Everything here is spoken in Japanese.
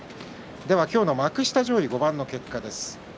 今日の幕下上位５番の結果です。